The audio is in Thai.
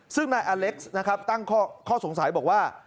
ซึ่งนายอเล็กซ์นะครับตั้งข้อสงสัยบอกว่า